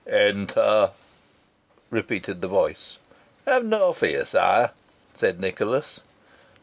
"Enter!" repeated the voice. "Have no fear, sire," said Nicholas.